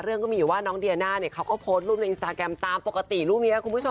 ก็มีอยู่ว่าน้องเดียน่าเนี่ยเขาก็โพสต์รูปในอินสตาแกรมตามปกติรูปนี้คุณผู้ชม